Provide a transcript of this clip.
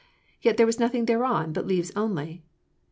Yet there was 'nothing thereon, but leaves only.'